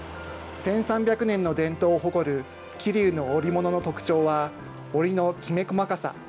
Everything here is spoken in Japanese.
１３００年の伝統を誇る桐生の織物の特徴は、織りのきめ細かさ。